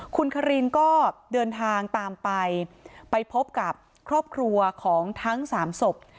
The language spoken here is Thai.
คุณคารินก็เดินทางตามไปไปพบกับครอบครัวของทั้งสามศพ